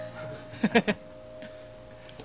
ハハハッ！